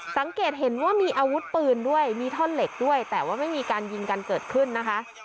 สังเกตเห็นว่ามีอาวุธปืนด้วยมีท่อนเหล็กด้วยแต่ว่าไม่มีการยิงกันเกิดขึ้นนะคะ